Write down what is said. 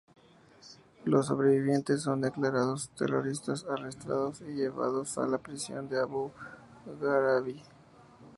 Los sobrevivientes son declarados terroristas, arrestados y llevados a la prisión de Abu Ghraib.